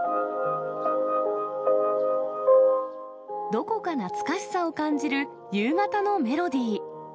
どこか懐かしさを感じる夕方のメロディー。